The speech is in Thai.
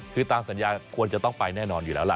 คือตามสัญญาควรจะต้องไปแน่นอนอยู่แล้วล่ะ